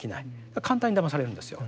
だから簡単にだまされるんですよ。